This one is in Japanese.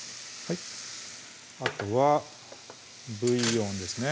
あとはブイヨンですね